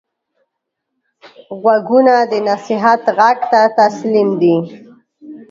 غوږونه د نصیحت غږ ته تسلیم دي